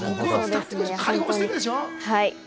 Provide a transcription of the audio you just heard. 開放しているでしょう？